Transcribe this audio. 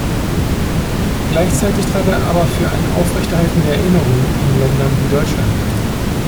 Gleichzeitig trat er aber für ein Aufrechterhalten der Erinnerung in Ländern wie Deutschland ein.